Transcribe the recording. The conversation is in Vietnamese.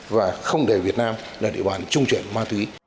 và không để việt nam là địa bàn trung chuyển ma túy